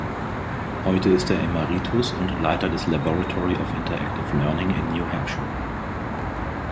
Heute ist er Emeritus und Leiter des Laboratory of Interactive Learning in New Hampshire.